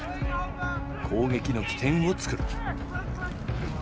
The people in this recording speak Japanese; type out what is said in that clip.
攻撃の起点を作る。